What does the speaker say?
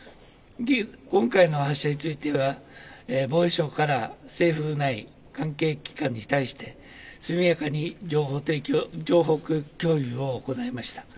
今回の発射については、防衛省から政府内、関係機関に対して、速やかに情報共有を行いました。